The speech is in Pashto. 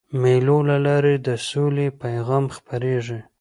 د مېلو له لاري د سولي پیغام خپرېږي.